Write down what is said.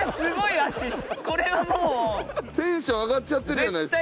テンション上がっちゃってるじゃないですか。